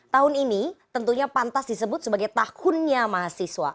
tahun ini tentunya pantas disebut sebagai tahunnya mahasiswa